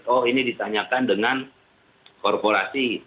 oh ini ditanyakan dengan korporasi